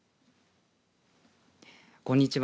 こんにちは。